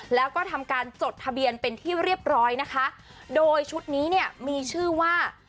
แล้วก็ทำการจดทะเบียนเป็นที่เรียบร้อยนะคะโดยชุดนี้เนี่ยมีชื่อว่า